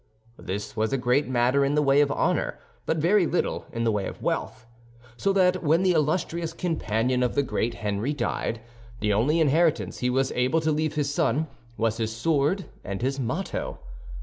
This was a great matter in the way of honor, but very little in the way of wealth; so that when the illustrious companion of the great Henry died, the only inheritance he was able to leave his son was his sword and his motto.